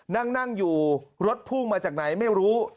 นั่งอยู่รถพุ่งมาจากไหนไม่รู้